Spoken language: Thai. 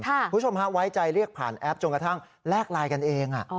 คุณผู้ชมฮะไว้ใจเรียกผ่านแอปจนกระทั่งแลกไลน์กันเอง